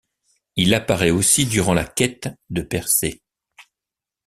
Il apparaît aussi durant la quête de Persée.